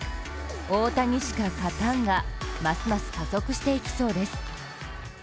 大谷しか勝たんがますます加速していきそうです。